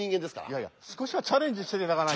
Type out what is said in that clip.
いやいや少しはチャレンジして頂かないと。